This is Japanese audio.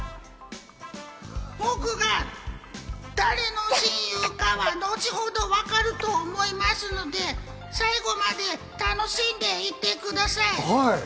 僕が誰の親友かは後ほど分かると、思いますので、最後まで楽しんでいってください。